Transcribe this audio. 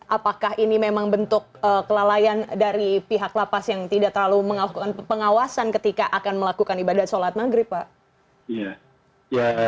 apakah ini memang bentuk kelalaian dari pihak lapas yang tidak terlalu melakukan pengawasan ketika akan melakukan ibadah sholat maghrib pak